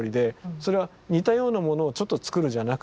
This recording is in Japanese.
それは似たようなものをちょっと作るじゃなくて。